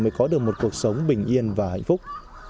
mới có được một cuộc sống bình yên và hạnh phúc